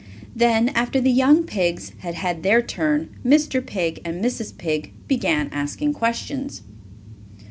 Then, after the young pigs had had their turn, Mr. Pig and Mrs. Pig began asking questions.